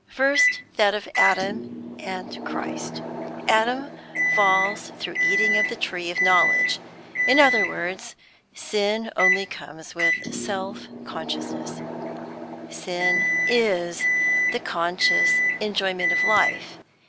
First that of Adam and Christ. Adam falls through eating of the tree of knowledge; in other words, sin only comes with self consciousness, sin is the conscious enjoyment of life.